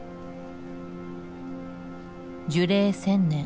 樹齢１，０００年。